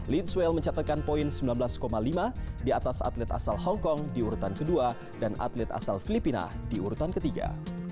lin suel mencatatkan poin sembilan belas lima di atas atlet asal hongkong di urutan kedua dan atlet asal filipina di urutan ketiga